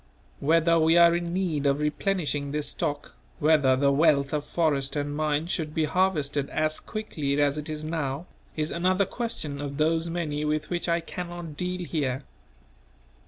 Whether we are in need of replenishing this stock, whether the wealth of forest and mines should be harvested as quickly as it is now, is another question of those many with which I cannot deal here.